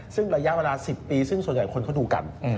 ซึ่งระยะเวลา๑๐ปีซึ่งส่วนใหญ่คนเขาดูกัน